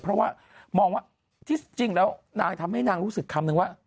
เพราะว่ามองว่าที่จริงแล้วนางทำให้นางรู้สึกคำนึงว่า